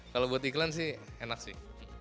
kalau buat iklan sih enak sih